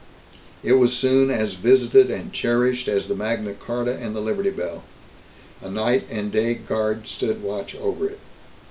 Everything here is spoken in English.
It was soon as visited and cherished as the Magna Carta and the Liberty Bell. A night and day guard stood watch over it.